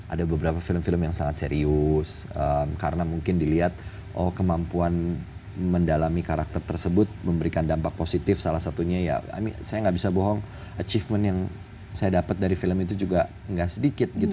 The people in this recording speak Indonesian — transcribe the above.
ada beberapa film film yang sangat serius karena mungkin dilihat oh kemampuan mendalami karakter tersebut memberikan dampak positif salah satunya ya saya nggak bisa bohong achievement yang saya dapat dari film itu juga nggak sedikit gitu